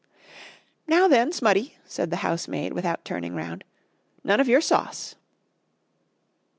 "Now, then, Smutty," said the house maid with out turning round, "none of your sauce!"